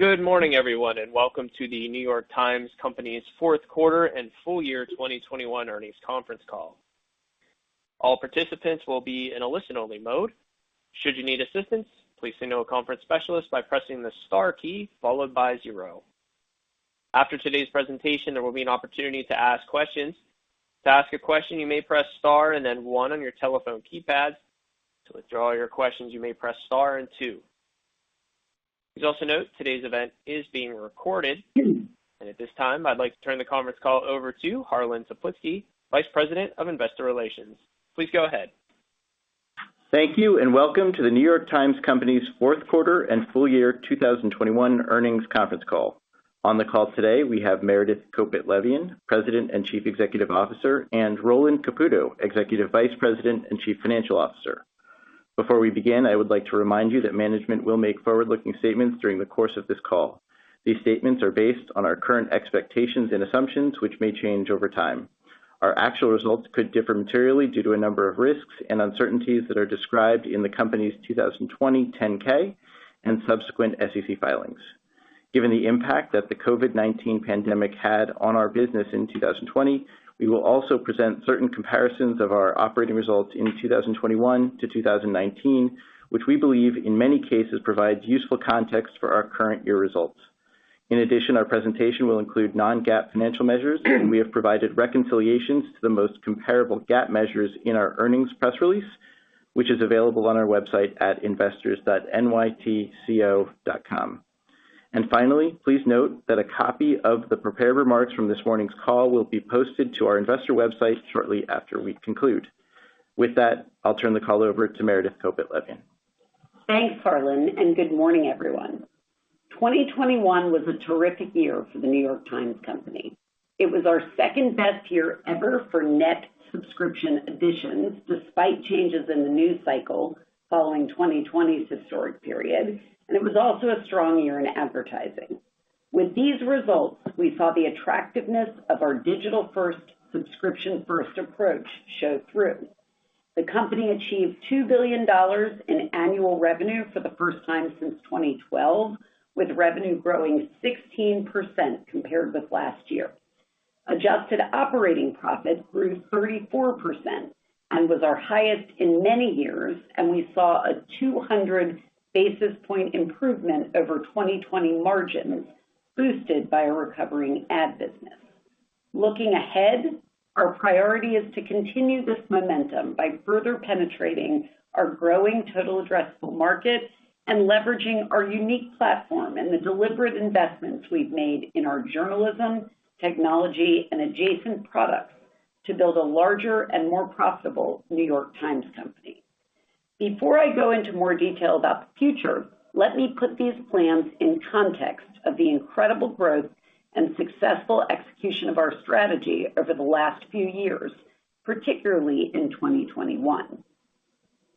Good morning everyone, and welcome to The New York Times Company's Q4 and full year 2021 earnings conference call. All participants will be in a listen-only mode. Should you need assistance, please signal a conference specialist by pressing the star key followed by zero. After today's presentation, there will be an opportunity to ask questions. To ask a question, you may press star and then one on your telephone keypad. To withdraw your questions, you may press star and two. Please also note today's event is being recorded. At this time, I'd like to turn the conference call over to Harlan Toplitzky, Vice President of Investor Relations. Please go ahead. Thank you and welcome to The New York Times Company's Q4 and full year 2021 earnings conference call. On the call today, we have Meredith Kopit Levien, President and Chief Executive Officer, and Roland Caputo, Executive Vice President and Chief Financial Officer. Before we begin, I would like to remind you that management will make forward-looking statements during the course of this call. These statements are based on our current expectations and assumptions, which may change over time. Our actual results could differ materially due to a number of risks and uncertainties that are described in the Company's 2021 10-K and subsequent SEC filings. Given the impact that the COVID-19 pandemic had on our business in 2020, we will also present certain comparisons of our operating results in 2021 to 2019, which we believe in many cases provides useful context for our current year results. In addition, our presentation will include non-GAAP financial measures, and we have provided reconciliations to the most comparable GAAP measures in our earnings press release, which is available on our website at investors.nytco.com. Finally, please note that a copy of the prepared remarks from this morning's call will be posted to our investor website shortly after we conclude. With that, I'll turn the call over to Meredith Kopit Levien. Thanks, Harlan, and good morning, everyone. 2021 was a terrific year for The New York Times Company. It was our second-best year ever for net subscription additions, despite changes in the news cycle following 2020's historic period, and it was also a strong year in advertising. With these results, we saw the attractiveness of our digital-first, subscription-first approach show through. The company achieved $2 billion in annual revenue for the first time since 2012, with revenue growing 16% compared with last year. Adjusted operating profit grew 34% and was our highest in many years, and we saw a 200 basis point improvement over 2020 margins boosted by a recovering ad business. Looking ahead, our priority is to continue this momentum by further penetrating our growing total addressable market and leveraging our unique platform and the deliberate investments we've made in our journalism, technology, and adjacent products to build a larger and more profitable The New York Times Company. Before I go into more detail about the future, let me put these plans in context of the incredible growth and successful execution of our strategy over the last few years, particularly in 2021.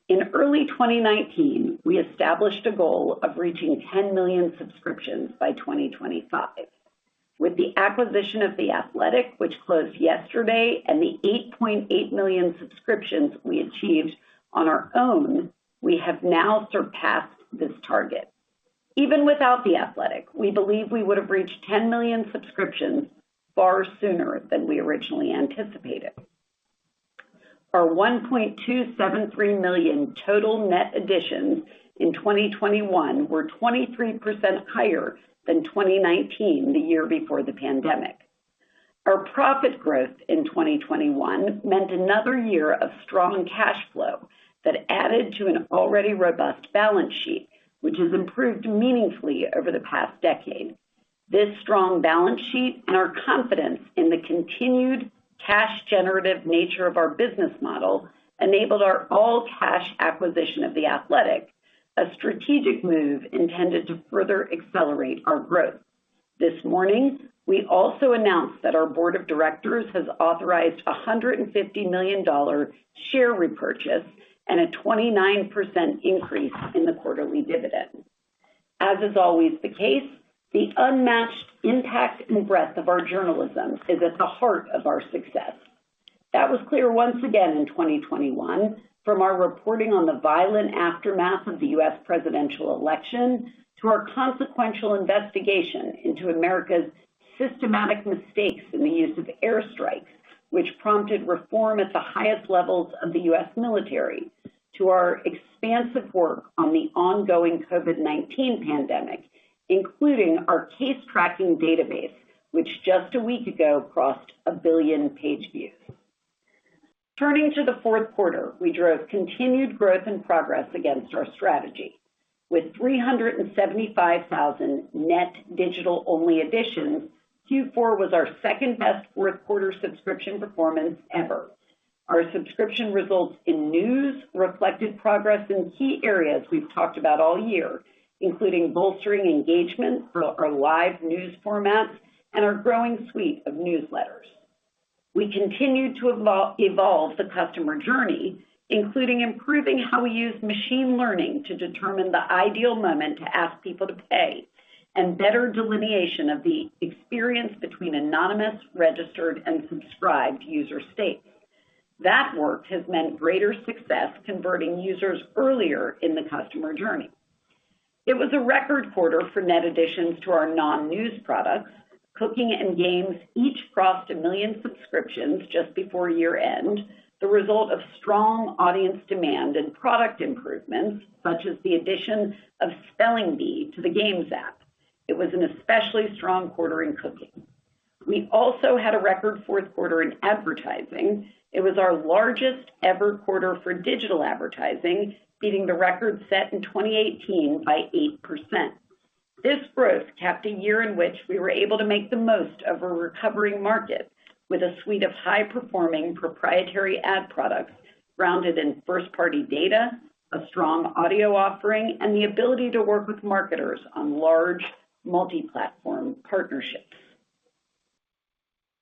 In early 2019, we established a goal of reaching 10 million subscriptions by 2025. With the acquisition of The Athletic, which closed yesterday, and the 8.8 million subscriptions we achieved on our own, we have now surpassed this target. Even without The Athletic, we believe we would have reached 10 million subscriptions far sooner than we originally anticipated. Our 1.273 million total net additions in 2021 were 23% higher than 2019, the year before the pandemic. Our profit growth in 2021 meant another year of strong cash flow that added to an already robust balance sheet, which has improved meaningfully over the past decade. This strong balance sheet and our confidence in the continued cash generative nature of our business model enabled our all-cash acquisition of The Athletic, a strategic move intended to further accelerate our growth. This morning, we also announced that our board of directors has authorized a $150 million share repurchase and a 29% increase in the quarterly dividend. As is always the case, the unmatched impact and breadth of our journalism is at the heart of our success. That was clear once again in 2021 from our reporting on the violent aftermath of the U.S. presidential election to our consequential investigation into America's systematic mistakes in the use of airstrikes, which prompted reform at the highest levels of the U.S. military to our expansive work on the ongoing COVID-19 pandemic, including our case tracking database, which just a week ago crossed 1 billion page views. Turning to the Q4, we drove continued growth and progress against our strategy with 375,000 net digital-only additions. Q4 was our second-best Q4 subscription performance ever. Our subscription results in news reflected progress in key areas we've talked about all year, including bolstering engagement through our live news formats and our growing suite of newsletters. We continued to evolve the customer journey, including improving how we use machine learning to determine the ideal moment to ask people to pay and better delineation of the experience between anonymous, registered, and subscribed user states. That work has meant greater success converting users earlier in the customer journey. It was a record quarter for net additions to our non-news products. Cooking and Games each crossed 1 million subscriptions just before year-end, the result of strong audience demand and product improvements, such as the addition of Spelling Bee to the Games app. It was an especially strong quarter in Cooking. We also had a record Q4 in advertising. It was our largest ever quarter for digital advertising, beating the record set in 2018 by 8%. This growth capped a year in which we were able to make the most of a recovering market, with a suite of high-performing proprietary ad products grounded in first-party data, a strong audio offering, and the ability to work with marketers on large multi-platform partnerships.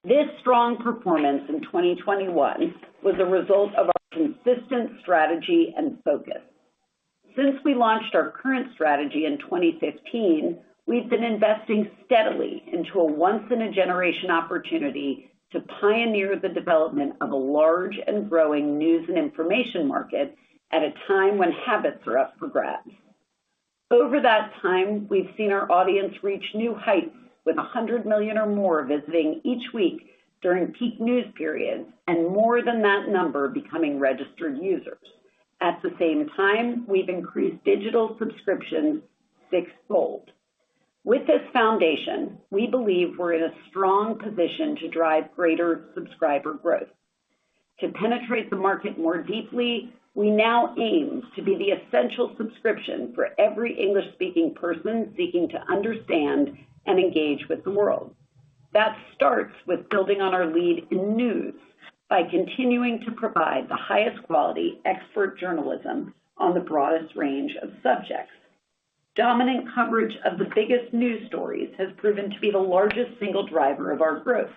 This strong performance in 2021 was a result of our consistent strategy and focus. Since we launched our current strategy in 2015, we've been investing steadily into a once-in-a-generation opportunity to pioneer the development of a large and growing news and information market at a time when habits are up for grabs. Over that time, we've seen our audience reach new heights with 100 million or more visiting each week during peak news periods, and more than that number becoming registered users. At the same time, we've increased digital subscriptions six-fold. With this foundation, we believe we're in a strong position to drive greater subscriber growth. To penetrate the market more deeply, we now aim to be the essential subscription for every English-speaking person seeking to understand and engage with the world. That starts with building on our lead in news by continuing to provide the highest quality expert journalism on the broadest range of subjects. Dominant coverage of the biggest news stories has proven to be the largest single driver of our growth.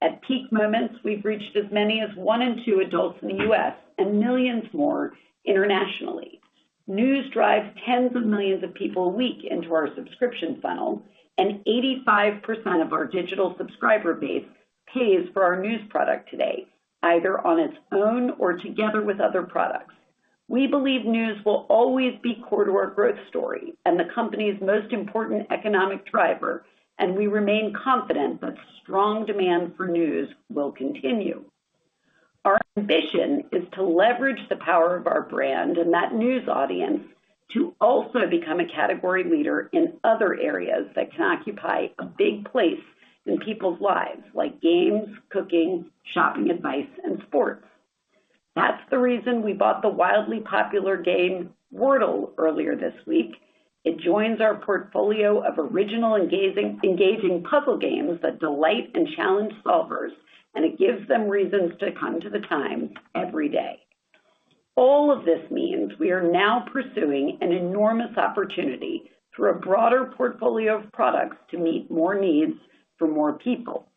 At peak moments, we've reached as many as one in two adults in the U.S. and millions more internationally. News drives tens of millions of people a week into our subscription funnel, and 85% of our digital subscriber base pays for our news product today, either on its own or together with other products. We believe news will always be core to our growth story and the company's most important economic driver, and we remain confident that strong demand for news will continue. Our ambition is to leverage the power of our brand and that news audience to also become a category leader in other areas that can occupy a big place in people's lives, like games, cooking, shopping advice, and sports. That's the reason we bought the wildly popular game Wordle earlier this week. It joins our portfolio of original engaging puzzle games that delight and challenge solvers, and it gives them reasons to come to The New York Times every day. All of this means we are now pursuing an enormous opportunity through a broader portfolio of products to meet more needs for more people.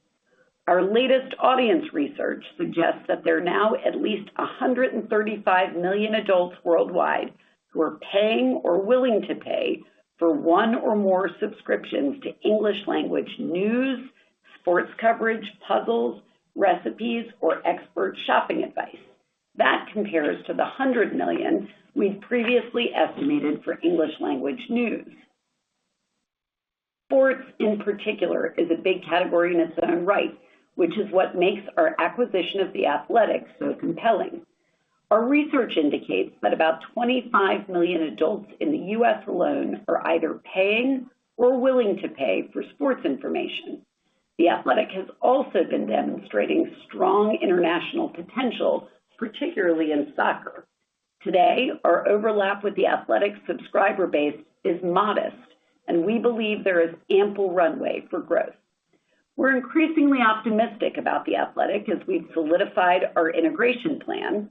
Our latest audience research suggests that there are now at least 135 million adults worldwide who are paying or willing to pay for one or more subscriptions to English language news, sports coverage, puzzles, recipes, or expert shopping advice. That compares to the 100 million we'd previously estimated for English language news. Sports, in particular, is a big category in its own right, which is what makes our acquisition of The Athletic so compelling. Our research indicates that about 25 million adults in the U.S. alone are either paying or willing to pay for sports information. The Athletic has also been demonstrating strong international potential, particularly in soccer. Today, our overlap with The Athletic subscriber base is modest, and we believe there is ample runway for growth. We're increasingly optimistic about The Athletic as we've solidified our integration plan.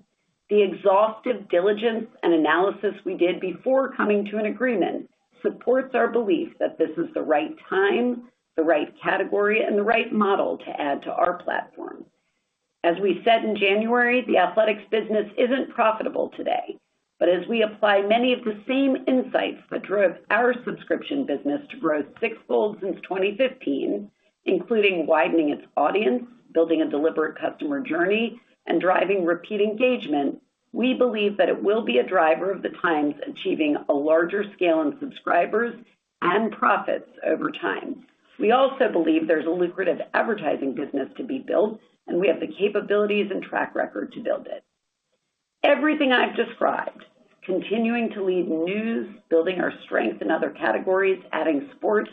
The exhaustive diligence and analysis we did before coming to an agreement supports our belief that this is the right time, the right category, and the right model to add to our platform. As we said in January, The Athletic's business isn't profitable today, but as we apply many of the same insights that drove our subscription business to grow six-fold since 2015, including widening its audience, building a deliberate customer journey, and driving repeat engagement, we believe that it will be a driver of The Times achieving a larger scale in subscribers and profits over time. We also believe there's a lucrative advertising business to be built, and we have the capabilities and track record to build it. Everything I've described, continuing to lead news, building our strength in other categories, adding sports,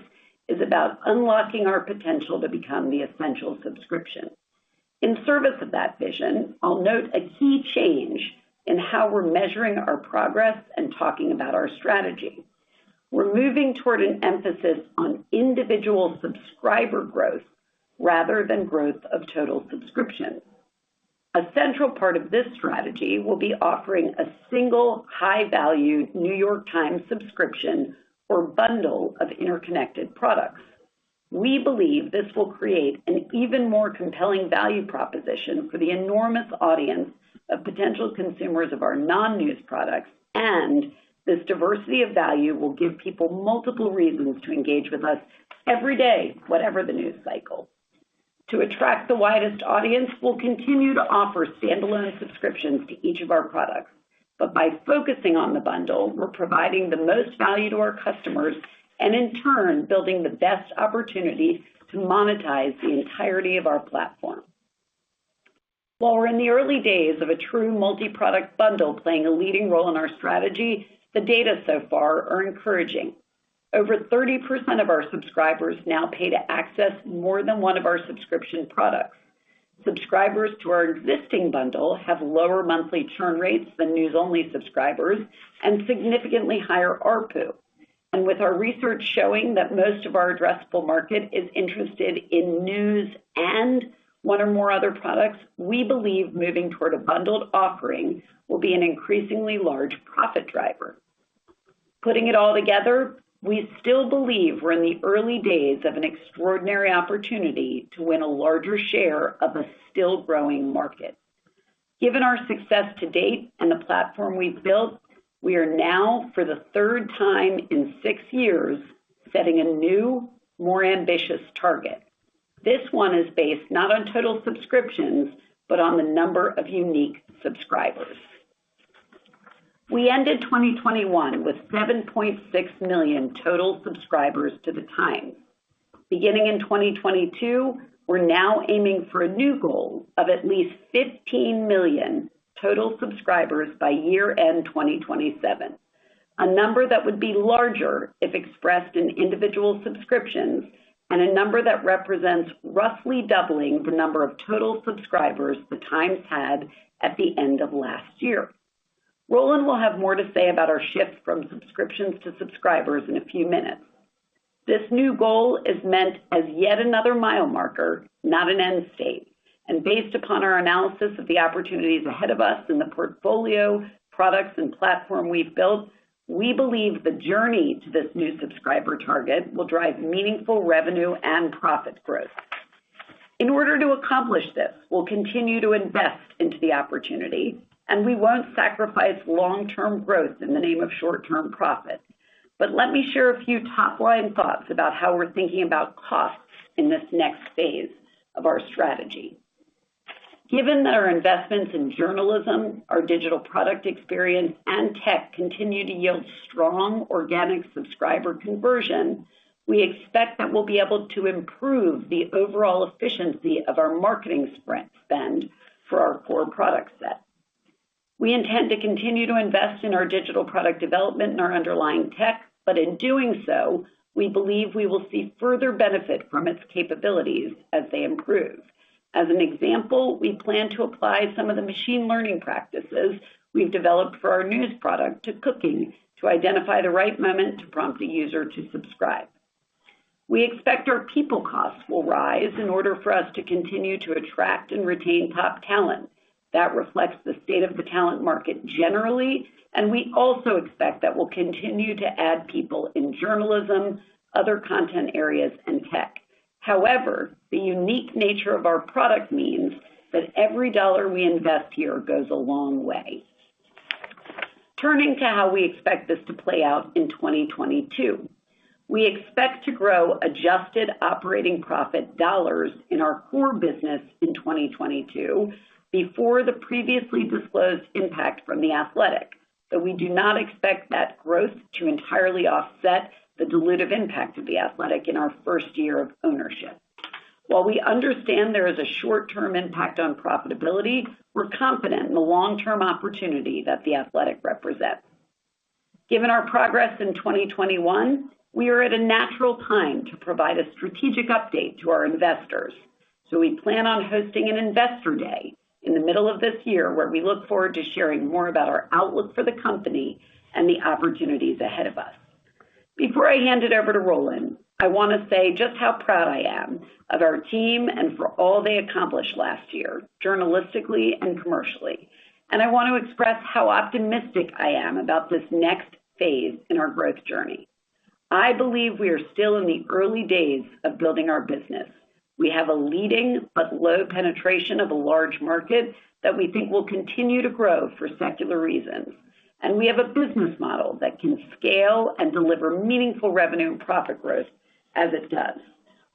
is about unlocking our potential to become the essential subscription. In service of that vision, I'll note a key change in how we're measuring our progress and talking about our strategy. We're moving toward an emphasis on individual subscriber growth rather than growth of total subscriptions. A central part of this strategy will be offering a single high-value New York Times subscription or bundle of interconnected products. We believe this will create an even more compelling value proposition for the enormous audience of potential consumers of our non-news products, and this diversity of value will give people multiple reasons to engage with us every day, whatever the news cycle. To attract the widest audience, we'll continue to offer standalone subscriptions to each of our products. But by focusing on the bundle, we're providing the most value to our customers, and in turn, building the best opportunity to monetize the entirety of our platform. While we're in the early days of a true multi-product bundle playing a leading role in our strategy, the data so far are encouraging. Over 30% of our subscribers now pay to access more than one of our subscription products. Subscribers to our existing bundle have lower monthly churn rates than news-only subscribers and significantly higher ARPU. With our research showing that most of our addressable market is interested in news and one or more other products, we believe moving toward a bundled offering will be an increasingly large profit driver. Putting it all together, we still believe we're in the early days of an extraordinary opportunity to win a larger share of a still growing market. Given our success to date and the platform we've built, we are now, for the third time in six years, setting a new, more ambitious target. This one is based not on total subscriptions, but on the number of unique subscribers. We ended 2021 with 7.6 million total subscribers to The Times. Beginning in 2022, we're now aiming for a new goal of at least 15 million total subscribers by year-end 2027. A number that would be larger if expressed in individual subscriptions and a number that represents roughly doubling the number of total subscribers The Times had at the end of last year. Roland will have more to say about our shift from subscriptions to subscribers in a few minutes. This new goal is meant as yet another mile marker, not an end state. Based upon our analysis of the opportunities ahead of us in the portfolio, products, and platform we've built, we believe the journey to this new subscriber target will drive meaningful revenue and profit growth. In order to accomplish this, we'll continue to invest into the opportunity, and we won't sacrifice long-term growth in the name of short-term profit. Let me share a few top-line thoughts about how we're thinking about costs in this next phase of our strategy. Given that our investments in journalism, our digital product experience, and tech continue to yield strong organic subscriber conversion, we expect that we'll be able to improve the overall efficiency of our marketing sprint spend for our core product set. We intend to continue to invest in our digital product development and our underlying tech, but in doing so, we believe we will see further benefit from its capabilities as they improve. As an example, we plan to apply some of the machine learning practices we've developed for our news product to Cooking, to identify the right moment to prompt a user to subscribe. We expect our people costs will rise in order for us to continue to attract and retain top talent. That reflects the state of the talent market generally, and we also expect that we'll continue to add people in journalism, other content areas, and tech. However, the unique nature of our product means that every dollar we invest here goes a long way. Turning to how we expect this to play out in 2022. We expect to grow adjusted operating profit dollars in our core business in 2022 before the previously disclosed impact from The Athletic, but we do not expect that growth to entirely offset the dilutive impact of The Athletic in our first year of ownership. While we understand there is a short-term impact on profitability, we're confident in the long-term opportunity that The Athletic represents. Given our progress in 2021, we are at a natural time to provide a strategic update to our investors. We plan on hosting an investor day in the middle of this year where we look forward to sharing more about our outlook for the company and the opportunities ahead of us. Before I hand it over to Roland, I want to say just how proud I am of our team and for all they accomplished last year, journalistically and commercially. I want to express how optimistic I am about this next phase in our growth journey. I believe we are still in the early days of building our business. We have a leading but low penetration of a large market that we think will continue to grow for secular reasons. We have a business model that can scale and deliver meaningful revenue and profit growth as it does.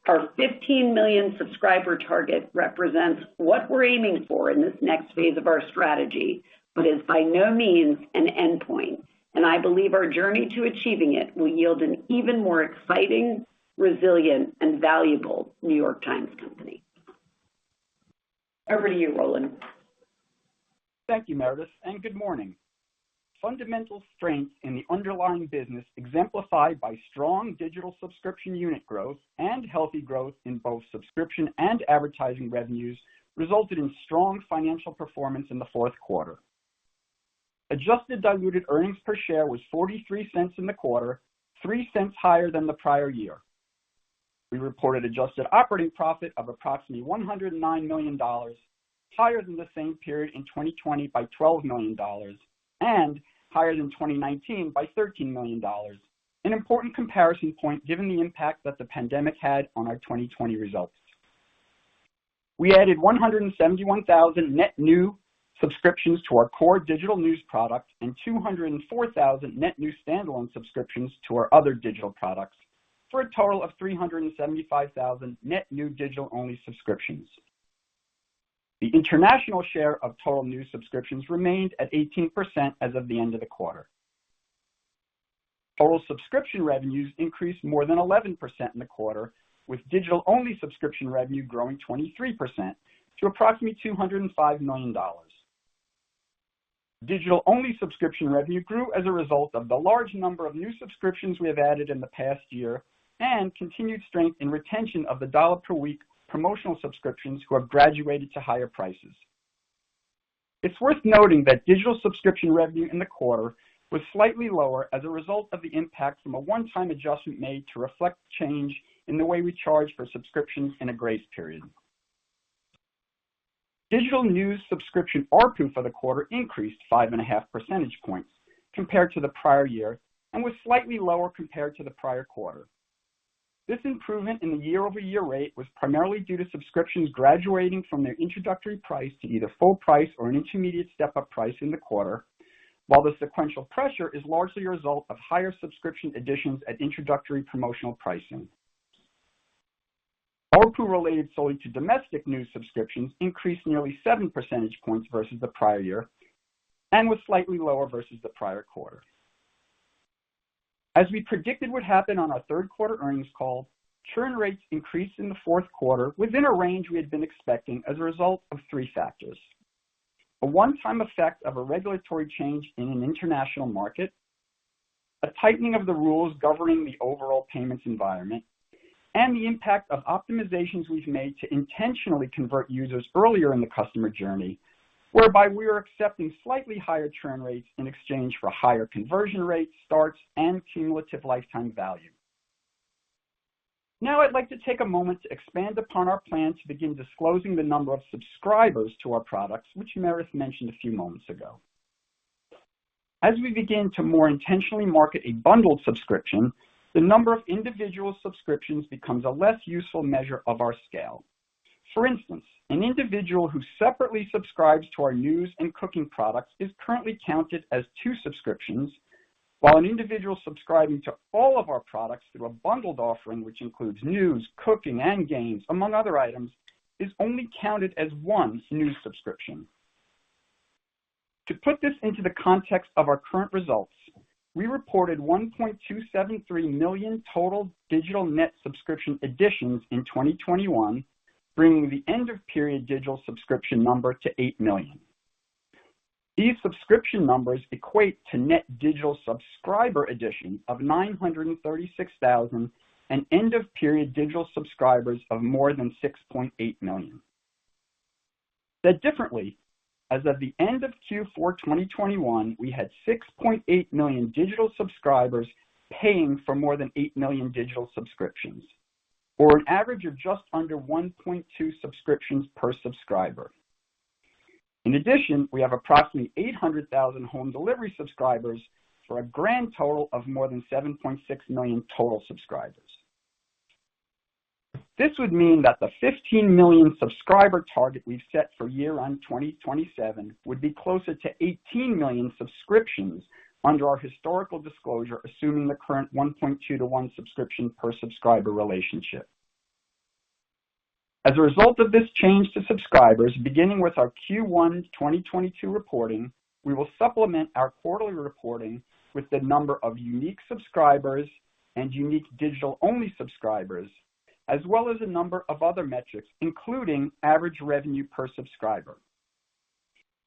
Our 15 million subscriber target represents what we're aiming for in this next phase of our strategy, but is by no means an endpoint, and I believe our journey to achieving it will yield an even more exciting, resilient, and valuable New York Times Company. Over to you, Roland. Thank you, Meredith, and good morning. Fundamental strength in the underlying business exemplified by strong digital subscription unit growth and healthy growth in both subscription and advertising revenues resulted in strong financial performance in the Q4. Adjusted diluted earnings per share was $0.43 in the quarter, $0.03 higher than the prior year. We reported adjusted operating profit of approximately $109 million, higher than the same period in 2020 by $12 million and higher than 2019 by $13 million, an important comparison point given the impact that the pandemic had on our 2020 results. We added 171,000 net new subscriptions to our core digital news product and 204,000 net new standalone subscriptions to our other digital products, for a total of 375,000 net new digital-only subscriptions. The international share of total new subscriptions remained at 18% as of the end of the quarter. Total subscription revenues increased more than 11% in the quarter, with digital-only subscription revenue growing 23% to approximately $205 million. Digital-only subscription revenue grew as a result of the large number of new subscriptions we have added in the past year and continued strength in retention of the dollar per week promotional subscriptions who have graduated to higher prices. It's worth noting that digital subscription revenue in the quarter was slightly lower as a result of the impact from a one-time adjustment made to reflect change in the way we charge for subscriptions in a grace period. Digital news subscription ARPU for the quarter increased 5.5 percentage points compared to the prior year and was slightly lower compared to the prior quarter. This improvement in the year-over-year rate was primarily due to subscriptions graduating from their introductory price to either full price or an intermediate step-up price in the quarter. While the sequential pressure is largely a result of higher subscription additions at introductory promotional pricing. ARPU related solely to domestic news subscriptions increased nearly seven percentage points versus the prior year and was slightly lower versus the prior quarter. As we predicted would happen on our Q3 earnings call, churn rates increased in the Q4 within a range we had been expecting as a result of three factors, a one-time effect of a regulatory change in an international market, a tightening of the rules governing the overall payments environment, and the impact of optimizations we've made to intentionally convert users earlier in the customer journey, whereby we are accepting slightly higher churn rates in exchange for higher conversion rates, starts, and cumulative lifetime value. Now I'd like to take a moment to expand upon our plan to begin disclosing the number of subscribers to our products, which Meredith mentioned a few moments ago. As we begin to more intentionally market a bundled subscription, the number of individual subscriptions becomes a less useful measure of our scale. For instance, an individual who separately subscribes to our news and cooking products is currently counted as two subscriptions, while an individual subscribing to all of our products through a bundled offering, which includes news, cooking, and games, among other items, is only counted as one news subscription. To put this into the context of our current results, we reported 1.273 million total digital net subscription additions in 2021, bringing the end-of-period digital subscription number to 8 million. These subscription numbers equate to net digital subscriber addition of 936,000 and end-of-period digital subscribers of more than 6.8 million. Said differently, as of the end of Q4 2021, we had 6.8 million digital subscribers paying for more than 8 million digital subscriptions or an average of just under 1.2 subscriptions per subscriber. In addition, we have approximately 800,000 home delivery subscribers for a grand total of more than 7.6 million total subscribers. This would mean that the 15 million subscriber target we've set for year-end 2027 would be closer to 18 million subscriptions under our historical disclosure, assuming the current 1.2-to-1 subscription per subscriber relationship. As a result of this change to subscribers, beginning with our Q1 2022 reporting, we will supplement our quarterly reporting with the number of unique subscribers and unique digital-only subscribers, as well as a number of other metrics, including average revenue per subscriber.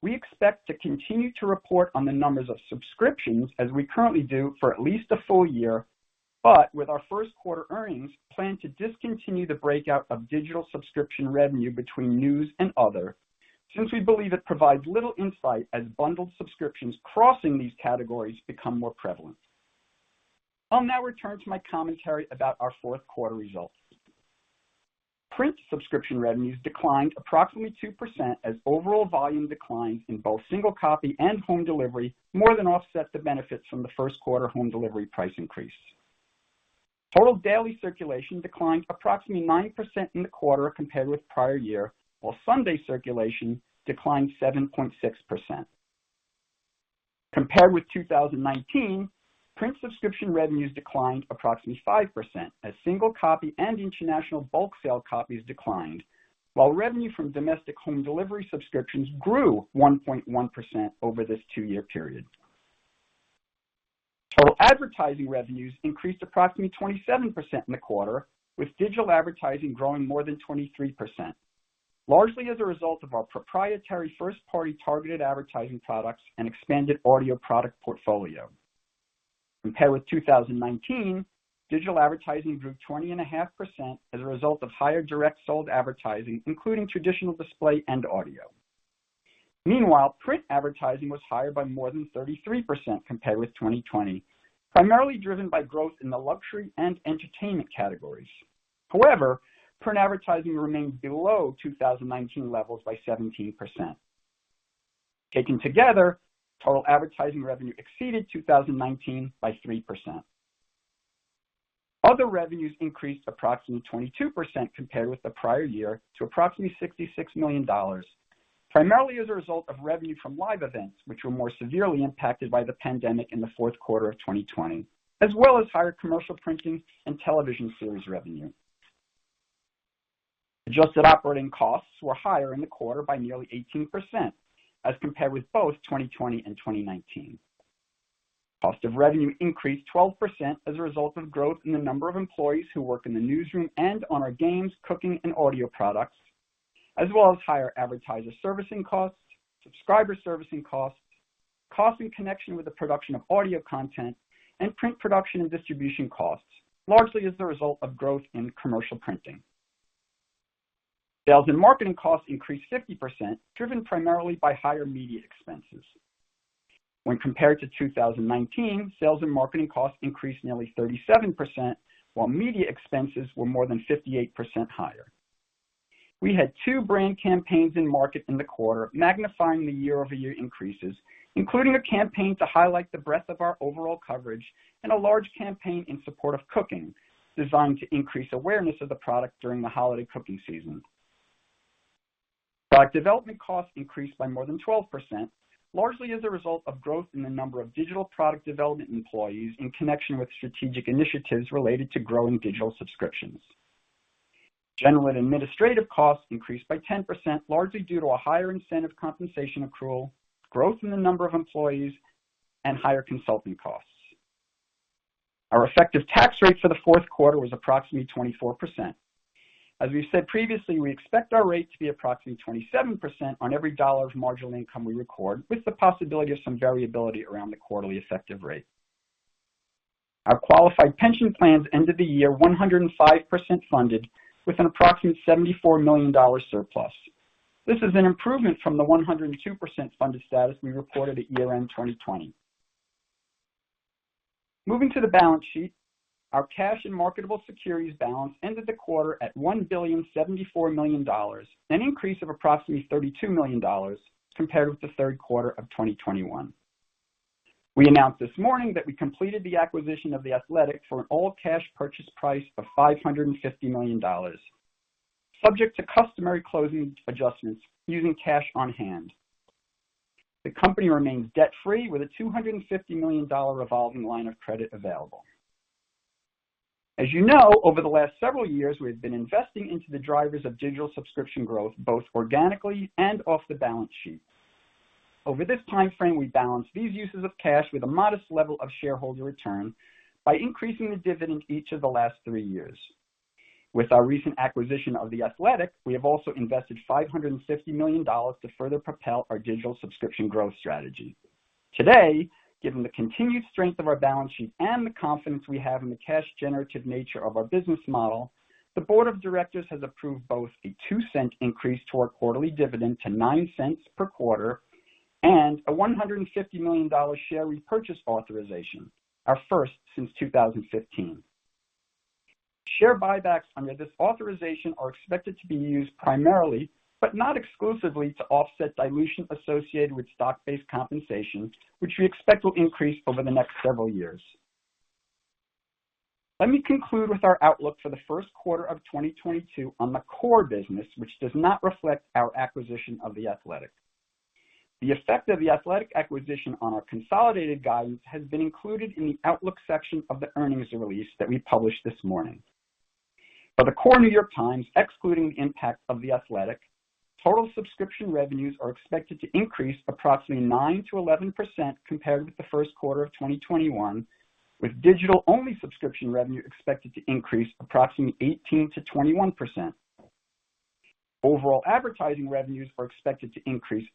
We expect to continue to report on the numbers of subscriptions as we currently do for at least a full year, but in our Q1 earnings we plan to discontinue the breakout of digital subscription revenue between news and other, since we believe it provides little insight as bundled subscriptions crossing these categories become more prevalent. I'll now return to my commentary about our Q4 results. Print subscription revenues declined approximately 2% as overall volume declines in both single copy and home delivery more than offset the benefits from the Q1 home delivery price increase. Total daily circulation declined approximately 9% in the quarter compared with prior year, while Sunday circulation declined 7.6%. Compared with 2019, print subscription revenues declined approximately 5% as single copy and international bulk sale copies declined, while revenue from domestic home delivery subscriptions grew 1.1% over this two-year period. Total advertising revenues increased approximately 27% in the quarter, with digital advertising growing more than 23%, largely as a result of our proprietary first-party targeted advertising products and expanded audio product portfolio. Compared with 2019, digital advertising grew 20.5% as a result of higher direct sold advertising, including traditional display and audio. Meanwhile, print advertising was higher by more than 33% compared with 2020, primarily driven by growth in the luxury and entertainment categories. However, print advertising remains below 2019 levels by 17%. Taken together, total advertising revenue exceeded 2019 by 3%. Other revenues increased approximately 22% compared with the prior year to approximately $66 million, primarily as a result of revenue from live events which were more severely impacted by the pandemic in the Q4 of 2020, as well as higher commercial printing and television series revenue. Adjusted operating costs were higher in the quarter by nearly 18% as compared with both 2020 and 2019. Cost of revenue increased 12% as a result of growth in the number of employees who work in the newsroom and on our games, cooking, and audio products, as well as higher advertiser servicing costs, subscriber servicing costs in connection with the production of audio content and print production and distribution costs, largely as the result of growth in commercial printing. Sales and marketing costs increased 50%, driven primarily by higher media expenses. When compared to 2019, sales and marketing costs increased nearly 37%, while media expenses were more than 58% higher. We had 2 brand campaigns in market in the quarter, magnifying the year-over-year increases, including a campaign to highlight the breadth of our overall coverage and a large campaign in support of cooking designed to increase awareness of the product during the holiday cooking season. Product development costs increased by more than 12%, largely as a result of growth in the number of digital product development employees in connection with strategic initiatives related to growing digital subscriptions. General and administrative costs increased by 10%, largely due to a higher incentive compensation accrual, growth in the number of employees, and higher consulting costs. Our effective tax rate for the Q4 was approximately 24%. As we've said previously, we expect our rate to be approximately 27% on every dollar of marginal income we record, with the possibility of some variability around the quarterly effective rate. Our qualified pension plans ended the year 105% funded with an approximate $74 million surplus. This is an improvement from the 102% funded status we reported at year-end 2020. Moving to the balance sheet. Our cash and marketable securities balance ended the quarter at $1.074 billion, an increase of approximately $32 million compared with the Q3 of 2021. We announced this morning that we completed the acquisition of The Athletic for an all-cash purchase price of $550 million, subject to customary closing adjustments using cash on hand. The company remains debt-free with a $250 million revolving line of credit available. As you know, over the last several years, we have been investing into the drivers of digital subscription growth, both organically and off the balance sheet. Over this time frame, we balanced these uses of cash with a modest level of shareholder return by increasing the dividend each of the last three years. With our recent acquisition of The Athletic, we have also invested $550 million to further propel our digital subscription growth strategy. Today, given the continued strength of our balance sheet and the confidence we have in the cash generative nature of our business model, the board of directors has approved both a $0.02 increase to our quarterly dividend to $0.09 per quarter and a $150 million share repurchase authorization, our first since 2015. Share buybacks under this authorization are expected to be used primarily, but not exclusively, to offset dilution associated with stock-based compensation, which we expect will increase over the next several years. Let me conclude with our outlook for the Q1 of 2022 on the core business, which does not reflect our acquisition of The Athletic. The effect of The Athletic acquisition on our consolidated guidance has been included in the outlook section of the earnings release that we published this morning. For the core New York Times, excluding the impact of The Athletic, total subscription revenues are expected to increase approximately 9%-11% compared with the Q1 of 2021, with digital-only subscription revenue expected to increase approximately 18%-21%. Overall advertising revenues are expected to increase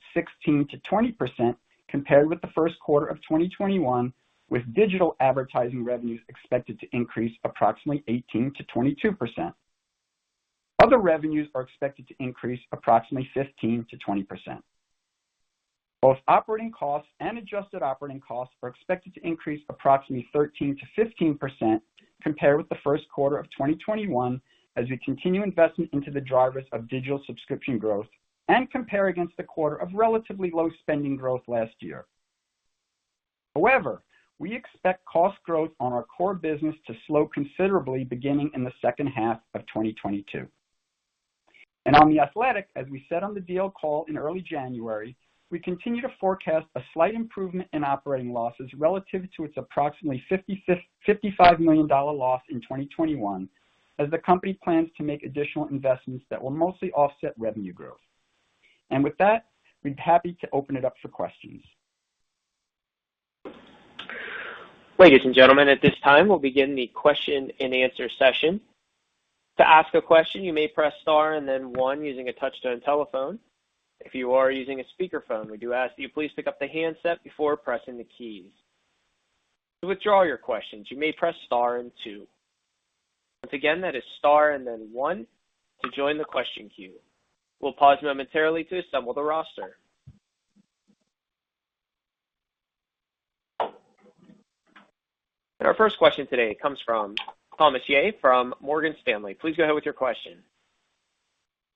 16%-20% compared with the Q1 of 2021, with digital advertising revenues expected to increase approximately 18%-22%. Other revenues are expected to increase approximately 15%-20%. Both operating costs and adjusted operating costs are expected to increase approximately 13%-15% compared with the Q1 of 2021 as we continue investment into the drivers of digital subscription growth and compare against a quarter of relatively low spending growth last year. However, we expect cost growth on our core business to slow considerably beginning in the second half of 2022. On The Athletic, as we said on the deal call in early January, we continue to forecast a slight improvement in operating losses relative to its approximately $55 million loss in 2021 as the company plans to make additional investments that will mostly offset revenue growth. With that, we'd be happy to open it up for questions. Ladies and gentlemen, at this time, we'll begin the question and answer session. To ask a question, you may press star and then one using a touch-tone telephone. If you are using a speakerphone, we do ask that you please pick up the handset before pressing the keys. To withdraw your questions, you may press star and two. Once again, that is star and then one to join the question queue. We'll pause momentarily to assemble the roster. Our first question today comes from Thomas Yeh from Morgan Stanley. Please go ahead with your question.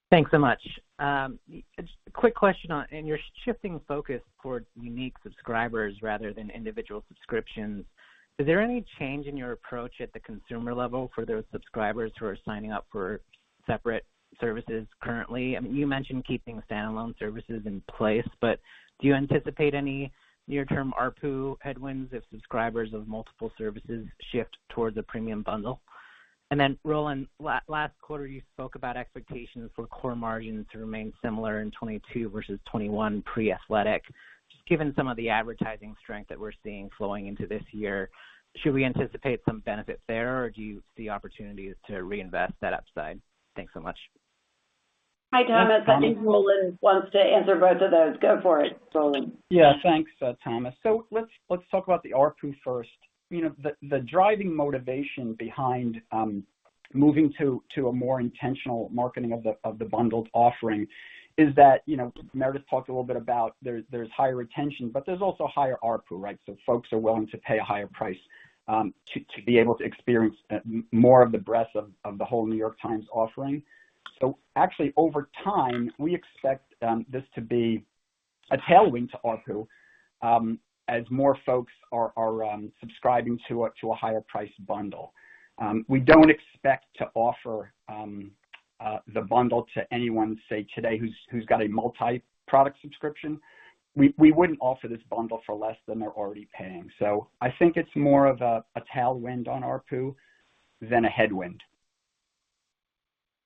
Thanks so much. Just a quick question on in your shifting focus towards unique subscribers rather than individual subscriptions, is there any change in your approach at the consumer level for those subscribers who are signing up for separate services currently? I mean, you mentioned keeping standalone services in place, but do you anticipate any near-term ARPU headwinds if subscribers of multiple services shift towards a premium bundle? Roland, last quarter you spoke about expectations for core margins to remain similar in 2022 versus 2021 pre-Athletic. Just given some of the advertising strength that we're seeing flowing into this year, should we anticipate some benefit there, or do you see opportunities to reinvest that upside? Thanks so much. Hi, Thomas. Yes, Thomas. I think Roland wants to answer both of those. Go for it, Roland. Yeah. Thanks, Thomas. Let's talk about the ARPU first. You know, the driving motivation behind moving to a more intentional marketing of the bundled offering is that, you know, Meredith talked a little bit about there's higher retention, but there's also higher ARPU, right? Folks are willing to pay a higher price to be able to experience more of the breadth of the whole New York Times offering. Actually, over time, we expect this to be a tailwind to ARPU as more folks are subscribing to a higher priced bundle. We don't expect to offer the bundle to anyone, say, today who's got a multi-product subscription. We wouldn't offer this bundle for less than they're already paying. I think it's more of a tailwind on ARPU than a headwind.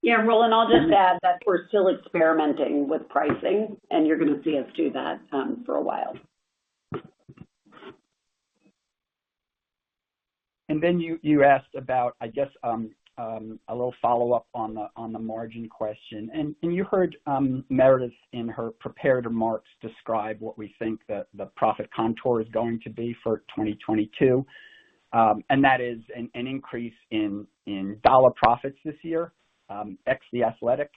Yeah. Roland, I'll just add that we're still experimenting with pricing, and you're gonna see us do that for a while. You asked about, I guess, a little follow-up on the margin question. You heard Meredith in her prepared remarks describe what we think the profit contour is going to be for 2022. That is an increase in dollar profits this year, ex The Athletic.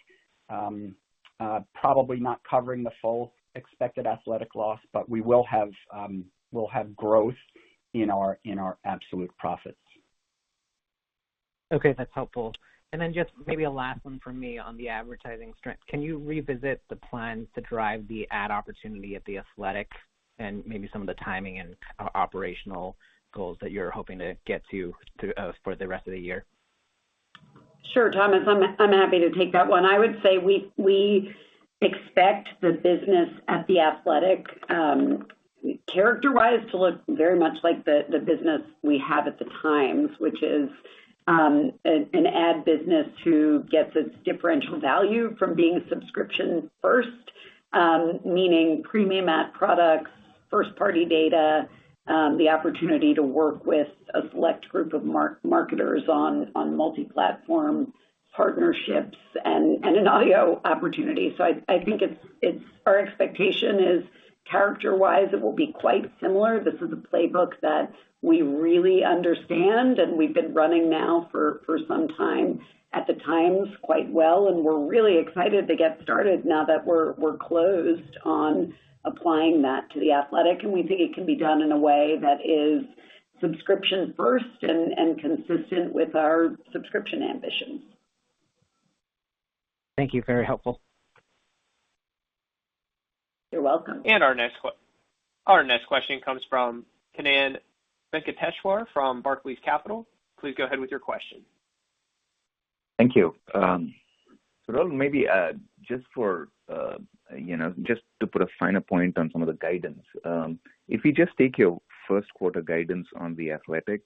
Probably not covering the full expected The Athletic loss, but we will have growth in our absolute profits. Okay, that's helpful. Just maybe a last one from me on the advertising strength. Can you revisit the plans to drive the ad opportunity at The Athletic and maybe some of the timing and operational goals that you're hoping to get to for the rest of the year? Sure, Thomas, I'm happy to take that one. I would say we expect the business at The Athletic, character-wise to look very much like the business we have at The Times, which is an ad business who gets its differential value from being subscription first, meaning premium ad products, first-party data, the opportunity to work with a select group of marketers on multi-platform partnerships and an audio opportunity. I think our expectation is character-wise it will be quite similar. This is a playbook that we really understand and we've been running now for some time at The Times quite well, and we're really excited to get started now that we're closed on applying that to The Athletic, and we think it can be done in a way that is subscription first and consistent with our subscription ambitions. Thank you. Very helpful. You're welcome. Our next question comes from Kannan Venkateshwar from Barclays Capital. Please go ahead with your question. Thank you. Maybe just for, you know, just to put a finer point on some of the guidance. If you just take your Q1 guidance on The Athletic,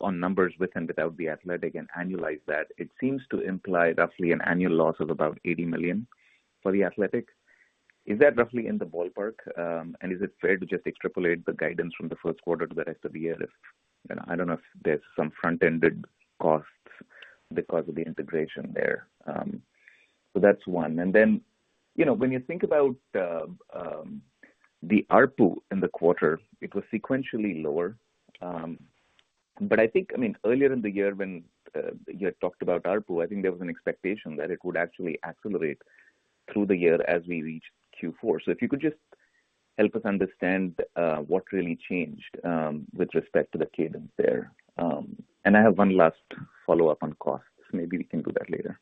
on numbers with and without The Athletic and annualize that, it seems to imply roughly an annual loss of about $80 million for The Athletic. Is that roughly in the ballpark? Is it fair to just extrapolate the guidance from the Q1 to the rest of the year? You know, I don't know if there's some front-ended costs because of the integration there. That's one. You know, when you think about, the ARPU in the quarter, it was sequentially lower. I think, I mean, earlier in the year when you had talked about ARPU, I think there was an expectation that it would actually accelerate through the year as we reach Q4. If you could just help us understand what really changed with respect to the cadence there. I have one last follow-up on costs. Maybe we can do that later.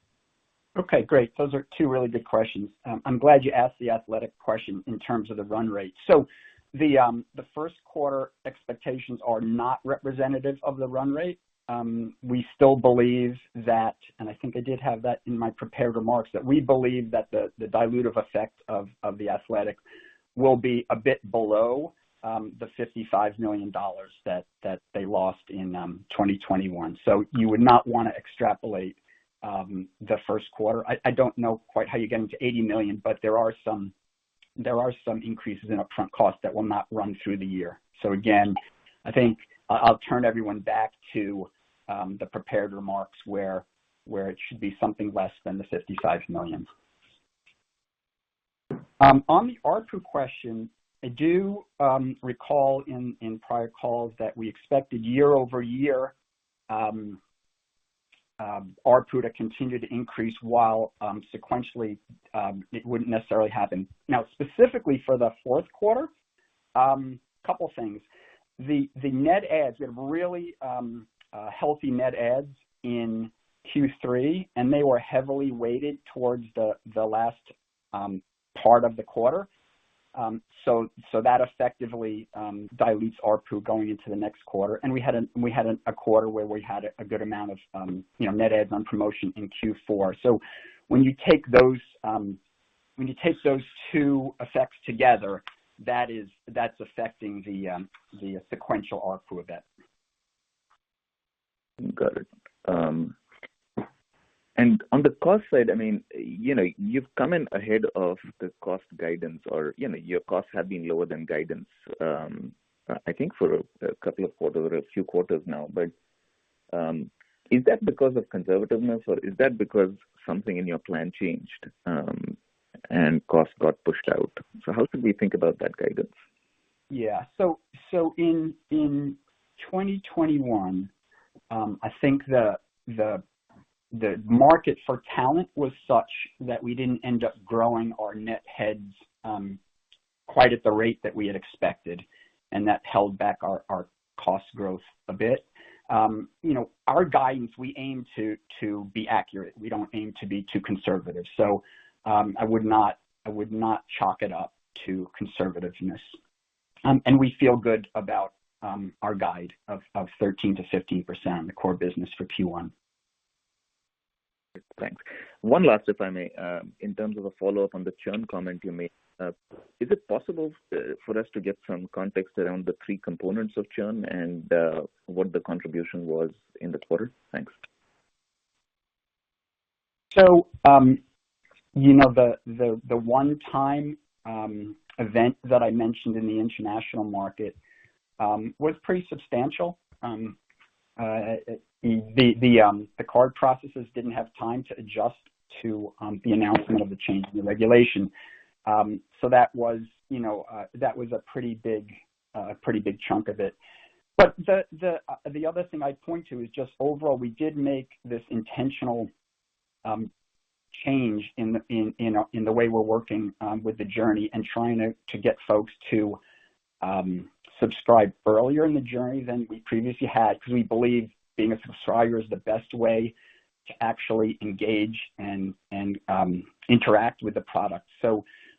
Okay. Great. Those are two really good questions. I'm glad you asked The Athletic question in terms of the run rate. The Q1 expectations are not representative of the run rate. We still believe that, and I think I did have that in my prepared remarks, that we believe that the dilutive effect of The Athletic will be a bit below the $55 million that they lost in 2021. You would not wanna extrapolate the Q1. I don't know quite how you're getting to $80 million, but there are some increases in upfront costs that will not run through the year. I think I'll turn everyone back to the prepared remarks where it should be something less than the $55 million. On the ARPU question, I do recall in prior calls that we expected year-over-year ARPU to continue to increase while sequentially it wouldn't necessarily happen. Now, specifically for the Q4, couple things. The net adds we have really healthy net adds in Q3, and they were heavily weighted towards the last part of the quarter. So that effectively dilutes ARPU going into the next quarter. And we had a quarter where we had a good amount of you know net adds on promotion in Q4. So when you take those two effects together, that's affecting the sequential ARPU event. Got it. On the cost side, I mean, you know, you've come in ahead of the cost guidance or, you know, your costs have been lower than guidance, I think for a couple of quarters or a few quarters now. Is that because of conservativeness or is that because something in your plan changed, and costs got pushed out? How should we think about that guidance? Yeah. In 2021, I think the market for talent was such that we didn't end up growing our net heads quite at the rate that we had expected, and that held back our cost growth a bit. You know, our guidance, we aim to be accurate. We don't aim to be too conservative. I would not chalk it up to conservativeness. We feel good about our guidance of 13%-15%, the core business for Q1. Thanks. One last, if I may. In terms of a follow-up on the churn comment you made. Is it possible for us to get some context around the three components of churn and what the contribution was in the quarter? Thanks. You know, the one-time event that I mentioned in the international market was pretty substantial. The card processes didn't have time to adjust to the announcement of the change in the regulation. That was, you know, a pretty big chunk of it. The other thing I'd point to is just overall, we did make this intentional change in the way we're working with the journey and trying to get folks to subscribe earlier in the journey than we previously had. Because we believe being a subscriber is the best way to actually engage and interact with the product.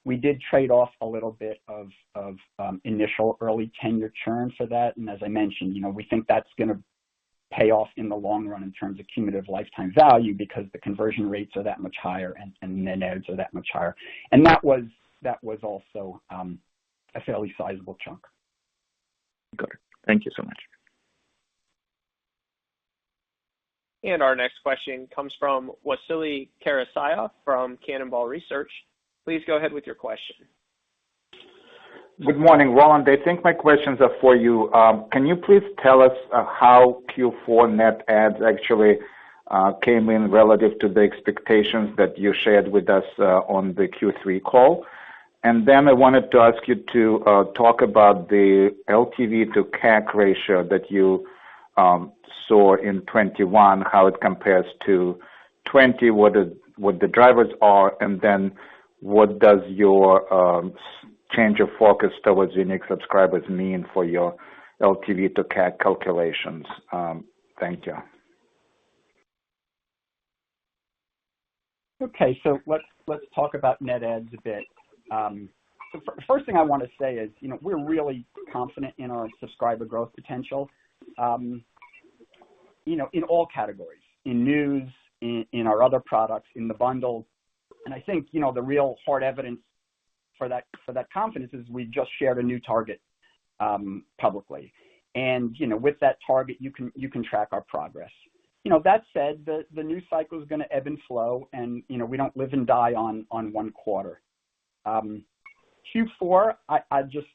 We did trade off a little bit of initial early tenure churn for that. As I mentioned, you know, we think that's gonna pay off in the long run in terms of cumulative lifetime value because the conversion rates are that much higher and net adds are that much higher. That was also a fairly sizable chunk. Got it. Thank you so much. Our next question comes from Vasily Karasyov from Cannonball Research. Please go ahead with your question. Good morning. Roland, I think my questions are for you. Can you please tell us how Q4 net adds actually came in relative to the expectations that you shared with us on the Q3 call? I wanted to ask you to talk about the LTV to CAC ratio that you saw in 2021, how it compares to 2020, what the drivers are, and then what does your change of focus towards unique subscribers mean for your LTV to CAC calculations? Thank you. Okay. Let's talk about net adds a bit. First thing I wanna say is, you know, we're really confident in our subscriber growth potential, you know, in all categories, in news, in our other products, in the bundles. I think, you know, the real hard evidence for that confidence is we just shared a new target, publicly. With that target you can track our progress. That said, the news cycle is gonna ebb and flow and, you know, we don't live and die on one quarter. In Q4, I just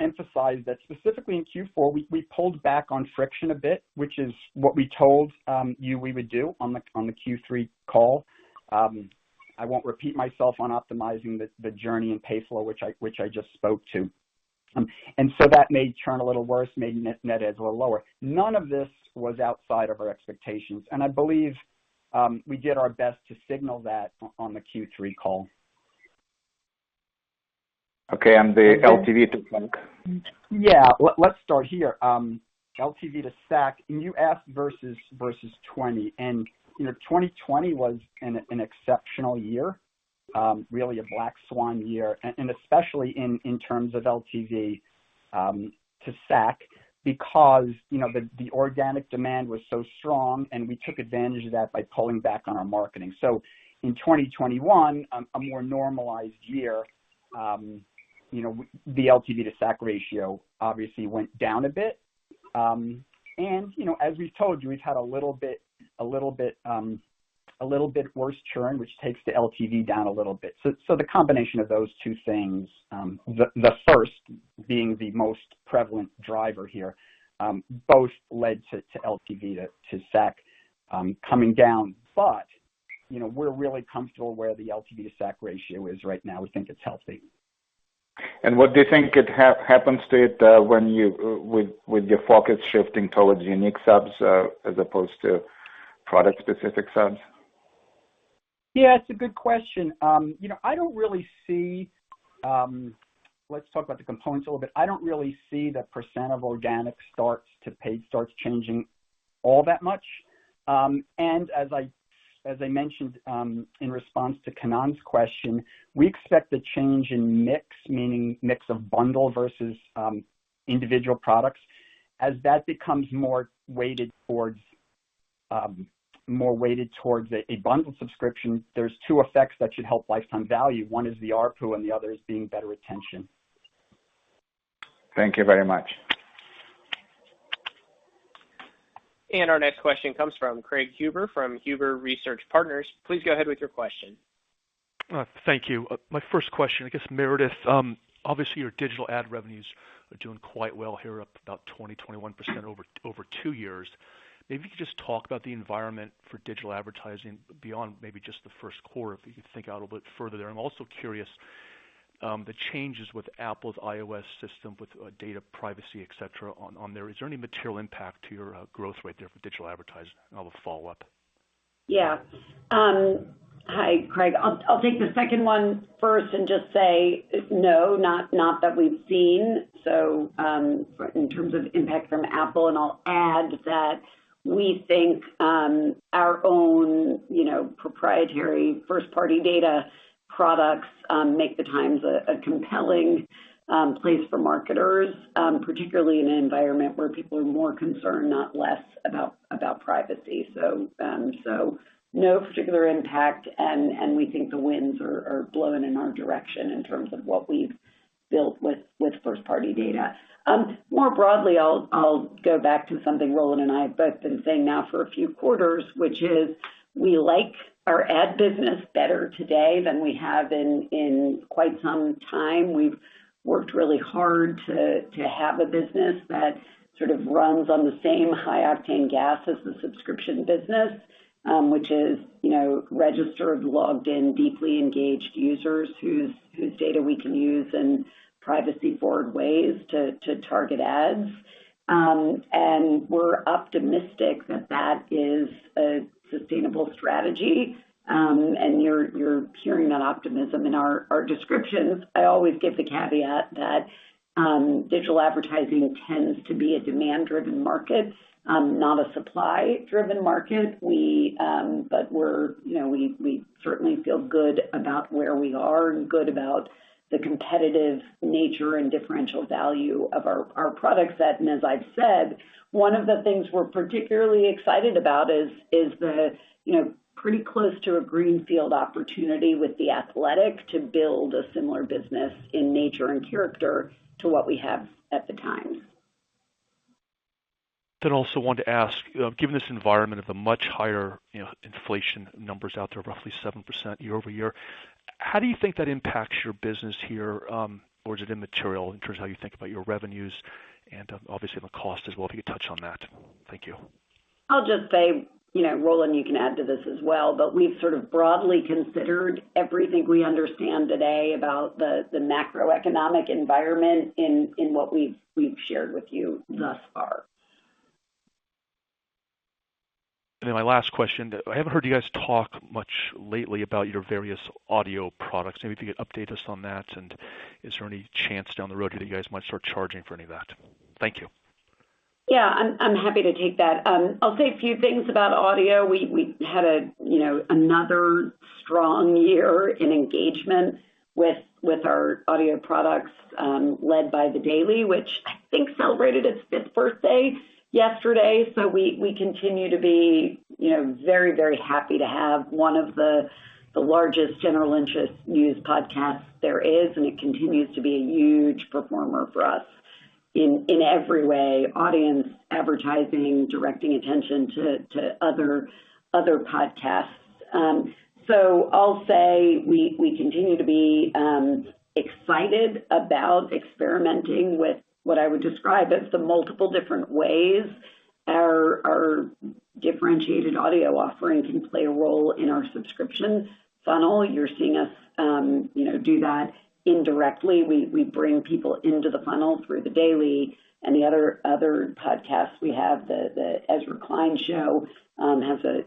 emphasize that specifically in Q4 we pulled back on friction a bit, which is what we told you we would do on the Q3 call. I won't repeat myself on optimizing the journey and pay flow, which I just spoke to. That made churn a little worse, made net adds a little lower. None of this was outside of our expectations, and I believe we did our best to signal that on the Q3 call. Okay. The LTV to CAC? Yeah. Let's start here. LTV to CAC, and you asked versus 2020. You know, 2020 was an exceptional year. Really a black swan year. Especially in terms of LTV to CAC, because you know, the organic demand was so strong, and we took advantage of that by pulling back on our marketing. In 2021, a more normalized year, you know, the LTV to CAC ratio obviously went down a bit. You know, as we've told you, we've had a little bit worse churn, which takes the LTV down a little bit. The combination of those two things, the first being the most prevalent driver here, both led to LTV to CAC coming down. You know, we're really comfortable where the LTV to CAC ratio is right now. We think it's healthy. What do you think could happen to it when you with your focus shifting towards unique subs as opposed to product specific subs? Yeah, it's a good question. You know, I don't really see, let's talk about the components a little bit. I don't really see the percent of organic starts-to-pay starts changing all that much. As I mentioned, in response to Kannan question, we expect a change in mix, meaning mix of bundle versus individual products. As that becomes more weighted towards a bundle subscription, there's two effects that should help lifetime value. One is the ARPU and the other is seeing better retention. Thank you very much. Our next question comes from Craig Huber from Huber Research Partners. Please go ahead with your question. Thank you. My first question, I guess, Meredith. Obviously, your digital ad revenues are doing quite well here, up about 21% over two years. Maybe you could just talk about the environment for digital advertising beyond maybe just the Q1, if you could think out a bit further there. I'm also curious, the changes with Apple's iOS system with data privacy, et cetera, on there. Is there any material impact to your growth rate there for digital advertising? I'll have a follow-up. Yeah. Hi, Craig. I'll take the second one first and just say, no, not that we've seen. In terms of impact from Apple, and I'll add that we think our own, you know, proprietary first-party data products make The Times a compelling place for marketers, particularly in an environment where people are more concerned, not less, about privacy. No particular impact and we think the winds are blowing in our direction in terms of what we've built with first-party data. More broadly, I'll go back to something Roland and I have both been saying now for a few quarters, which is we like our ad business better today than we have in quite some time. We've worked really hard to have a business that sort of runs on the same high-octane gas as the subscription business, which is, you know, registered, logged in, deeply engaged users whose data we can use in privacy-forward ways to target ads. We're optimistic that that is a sustainable strategy, and you're hearing that optimism in our descriptions. I always give the caveat that digital advertising tends to be a demand-driven market, not a supply-driven market. We're, you know, we certainly feel good about where we are and good about the competitive nature and differential value of our product set. As I've said, one of the things we're particularly excited about is the, you know, pretty close to a greenfield opportunity with The Athletic to build a similar business in nature and character to what we have at The Times. I also wanted to ask, given this environment of a much higher, you know, inflation numbers out there, roughly 7% year-over-year, how do you think that impacts your business here? Or is it immaterial in terms of how you think about your revenues and obviously the cost as well, if you could touch on that? Thank you. I'll just say, you know, Roland, you can add to this as well, but we've sort of broadly considered everything we understand today about the macroeconomic environment in what we've shared with you thus far. My last question. I haven't heard you guys talk much lately about your various audio products. Maybe if you could update us on that, and is there any chance down the road that you guys might start charging for any of that? Thank you. Yeah. I'm happy to take that. I'll say a few things about audio. We had a, you know, another strong year in engagement with our audio products, led by The Daily, which I think celebrated its fifth birthday yesterday. We continue to be, you know, very, very happy to have one of the largest general interest news podcasts there is, and it continues to be a huge performer for us in every way, audience, advertising, directing attention to other podcasts. I'll say we continue to be excited about experimenting with what I would describe as the multiple different ways our differentiated audio offering can play a role in our subscription funnel. You're seeing us, you know, do that indirectly. We bring people into the funnel through The Daily and the other podcasts we have. The Ezra Klein Show has a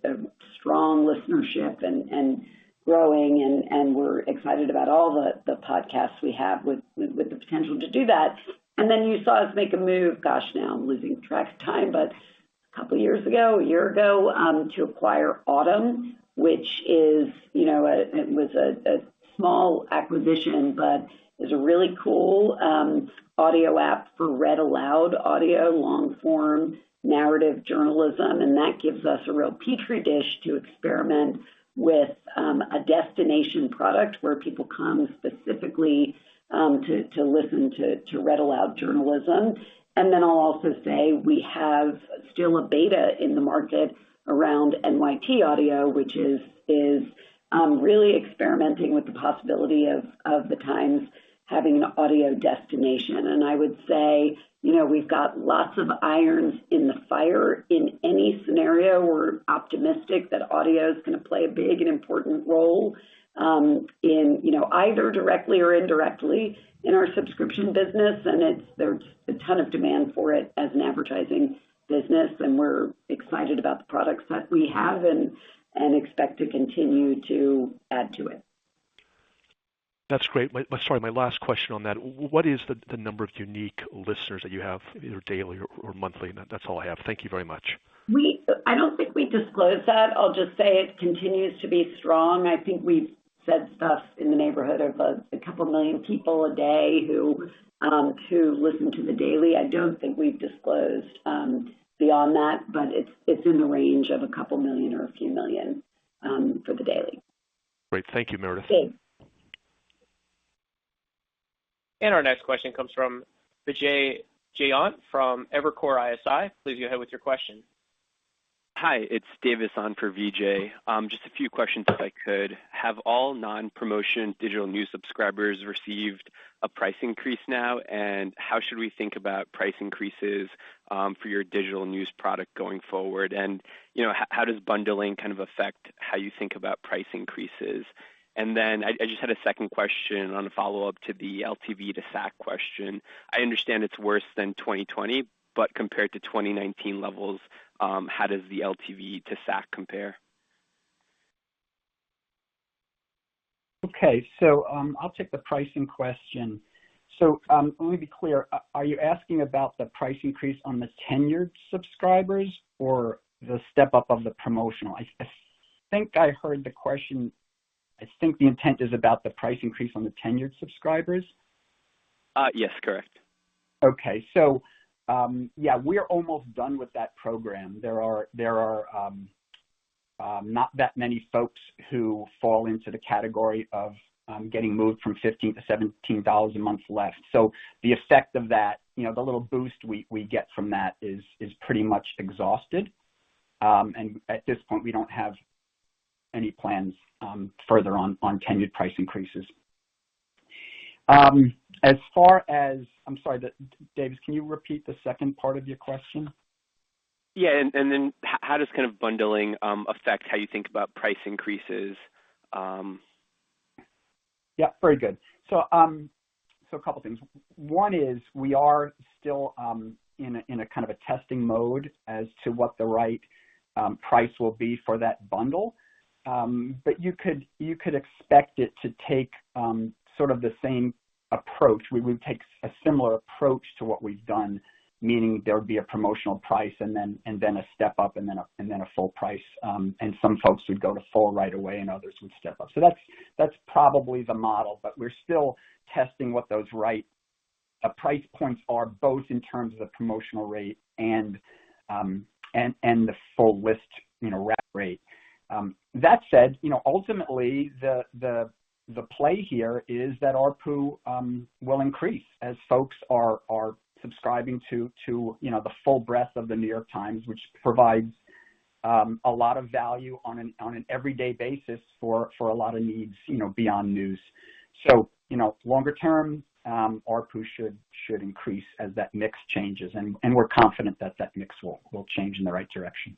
strong listenership and growing, and we're excited about all the podcasts we have with the potential to do that. Then you saw us make a move, gosh, now I'm losing track of time, but a couple of years ago, a year ago, to acquire Audm, which is, you know, it was a small acquisition, but it's a really cool audio app for read-aloud audio, long-form narrative journalism. That gives us a real petri dish to experiment with a destination product where people come specifically to listen to read-aloud journalism. I'll also say we have still a beta in the market around NYT Audio, which is really experimenting with the possibility of The Times having an audio destination. I would say, you know, we've got lots of irons in the fire. In any scenario, we're optimistic that audio is gonna play a big and important role in you know, either directly or indirectly in our subscription business. There's a ton of demand for it as an advertising business, and we're excited about the products that we have and expect to continue to add to it. That's great. Sorry, my last question on that. What is the number of unique listeners that you have either daily or monthly? That's all I have. Thank you very much. I don't think we disclose that. I'll just say it continues to be strong. I think we've said stuff in the neighborhood of a couple million people a day who listen to The Daily. I don't think we've disclosed beyond that, but it's in the range of a couple million or a few million for The Daily. Great. Thank you, Meredith. Sure. Our next question comes from Vijay Jayant from Evercore ISI. Please go ahead with your question. Hi, it's Davis on for Vijay. Just a few questions, if I could. Have all non-promotion digital news subscribers received a price increase now? How should we think about price increases for your digital news product going forward? You know, how does bundling kind of affect how you think about price increases? I just had a second question on a follow-up to the LTV to CAC question. I understand it's worse than 2020, but compared to 2019 levels, how does the LTV to CAC compare? Okay. I'll take the pricing question. Let me be clear. Are you asking about the price increase on the tenured subscribers or the step-up of the promotional? I think I heard the question. I think the intent is about the price increase on the tenured subscribers. Yes, correct. Okay. Yeah, we're almost done with that program. There are not that many folks who fall into the category of getting moved from $15-$17 a month left. The effect of that, you know, the little boost we get from that is pretty much exhausted. At this point, we don't have any plans for further price increases. I'm sorry, Davis, can you repeat the second part of your question? How does kind of bundling affect how you think about price increases? Yeah, very good. A couple things. One is we are still in a kind of testing mode as to what the right price will be for that bundle. You could expect it to take sort of the same approach. We would take a similar approach to what we've done, meaning there would be a promotional price and then a step-up and then a full price. Some folks would go to full right away and others would step up. That's probably the model, but we're still testing what those right price points are, both in terms of the promotional rate and the full list, you know, rate. That said, you know, ultimately, the play here is that ARPU will increase as folks are subscribing to, you know, the full breadth of The New York Times, which provides a lot of value on an everyday basis for a lot of needs, you know, beyond news. You know, longer term, ARPU should increase as that mix changes, and we're confident that that mix will change in the right direction.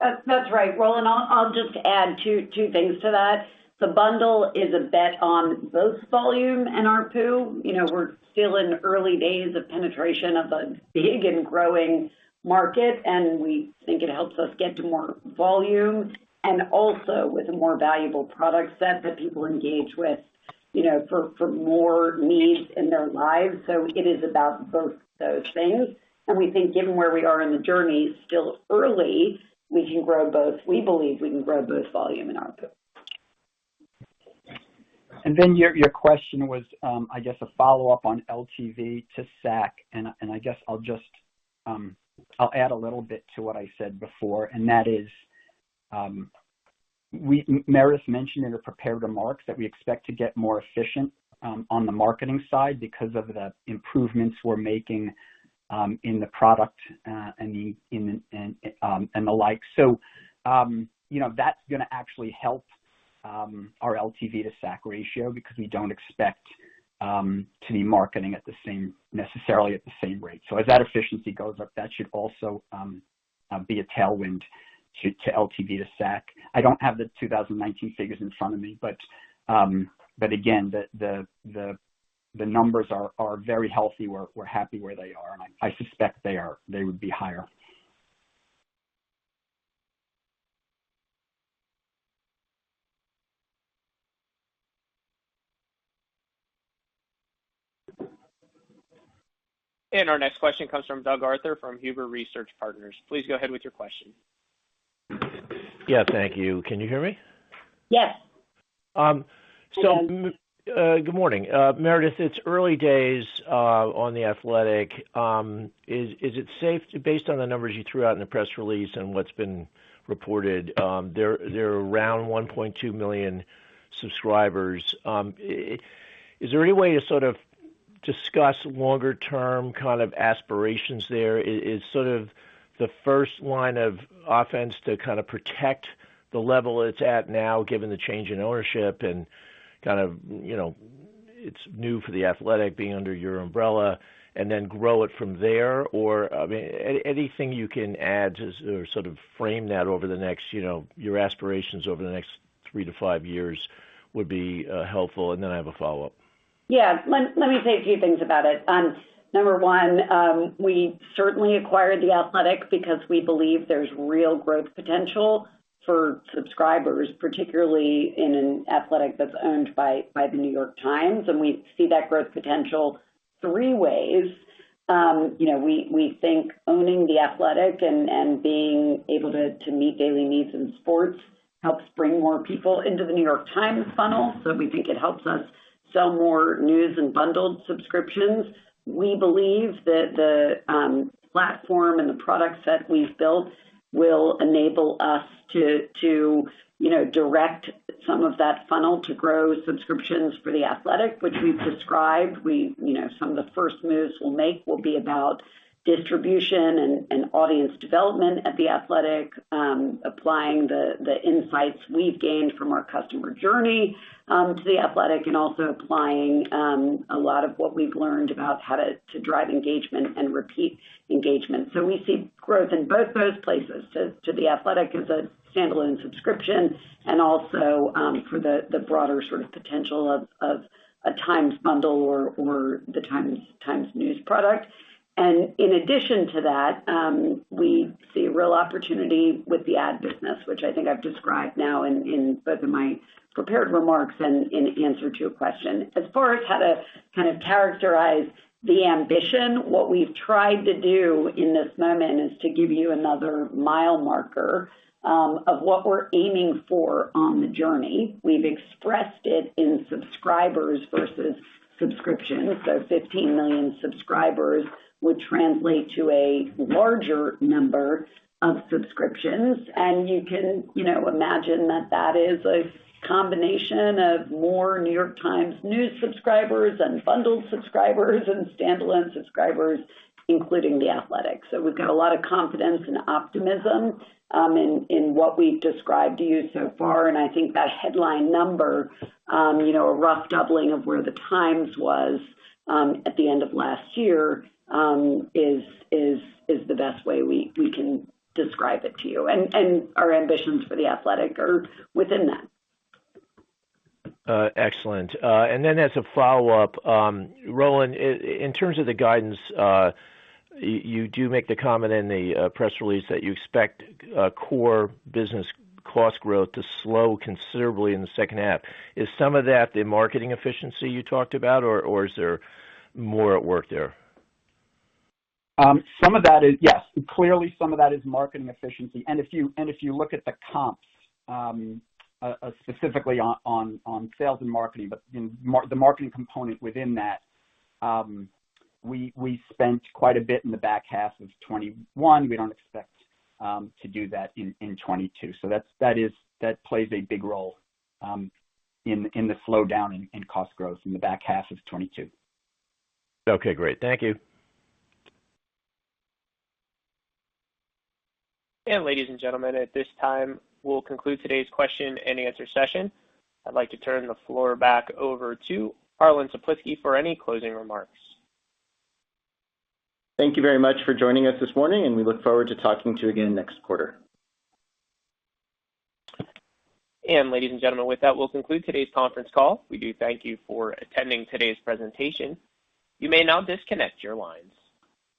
That's right, Roland. I'll just add two things to that. The bundle is a bet on both volume and ARPU. You know, we're still in early days of penetration of a big and growing market, and we think it helps us get to more volume and also with a more valuable product set that people engage with, you know, for more needs in their lives. It is about both those things. We think given where we are in the journey, it's still early, we can grow both. We believe we can grow both volume and ARPU. Then your question was, I guess a follow-up on LTV to CAC, and I guess I'll just add a little bit to what I said before, and that is, Meredith mentioned in her prepared remarks that we expect to get more efficient on the marketing side because of the improvements we're making in the product and the like. You know, that's gonna actually help our LTV to CAC ratio because we don't expect to be marketing at the same rate necessarily. As that efficiency goes up, that should also be a tailwind to LTV to CAC. I don't have the 2019 figures in front of me, but again, the numbers are very healthy. We're happy where they are, and I suspect they would be higher. Our next question comes from Doug Arthur from Huber Research Partners. Please go ahead with your question. Yeah, thank you. Can you hear me? Yes. Um, so, We can. Good morning. Meredith, it's early days on The Athletic. Is it safe based on the numbers you threw out in the press release and what's been reported, there are around 1.2 million subscribers. Is there any way to sort of discuss longer-term kind of aspirations there? Is sort of the first line of defense to kind of protect the level it's at now, given the change in ownership and kind of, you know, it's new for The Athletic being under your umbrella and then grow it from there? Or, I mean, anything you can add to or sort of frame that over the next, you know, your aspirations over the next three to five years would be helpful. Then I have a follow-up. Yeah. Let me say a few things about it. Number one, we certainly acquired The Athletic because we believe there's real growth potential for subscribers, particularly in an Athletic that's owned by The New York Times, and we see that growth potential three ways. You know, we think owning The Athletic and being able to meet daily needs in sports helps bring more people into The New York Times funnel. We think it helps us sell more news and bundled subscriptions. We believe that the platform and the products that we've built will enable us to direct some of that funnel to grow subscriptions for The Athletic, which we've described. We, you know, some of the first moves we'll make will be about distribution and audience development at The Athletic, applying the insights we've gained from our customer journey to The Athletic, and also applying a lot of what we've learned about how to drive engagement and repeat engagement. We see growth in both those places to The Athletic as a standalone subscription and also for the broader sort of potential of a Times bundle or The Times news product. In addition to that, we see real opportunity with the ad business, which I think I've described now in both of my prepared remarks and in answer to a question. As far as how to kind of characterize the ambition, what we've tried to do in this moment is to give you another mile marker of what we're aiming for on the journey. We've expressed it in subscribers versus subscriptions. 15 million subscribers would translate to a larger number of subscriptions, and you can, you know, imagine that that is a combination of more New York Times news subscribers and bundled subscribers and standalone subscribers, including The Athletic. We've got a lot of confidence and optimism in what we've described to you so far, and I think that headline number, you know, a rough doubling of where the Times was at the end of last year is the best way we can describe it to you, and our ambitions for The Athletic are within that. Excellent. As a follow-up, Roland, in terms of the guidance, you do make the comment in the press release that you expect core business cost growth to slow considerably in the second half. Is some of that the marketing efficiency you talked about, or is there more at work there? Yes. Clearly, some of that is marketing efficiency. If you look at the comps, specifically on sales and marketing, but in the marketing component within that, we spent quite a bit in the back half of 2021. We don't expect to do that in 2022. That plays a big role in the slowdown in cost growth in the back half of 2022. Okay, great. Thank you. Ladies and gentlemen, at this time, we'll conclude today's question-and-answer session. I'd like to turn the floor back over to Harlan Toplitzky for any closing remarks. Thank you very much for joining us this morning, and we look forward to talking to you again next quarter. Ladies and gentlemen, with that, we'll conclude today's conference call. We do thank you for attending today's presentation. You may now disconnect your lines.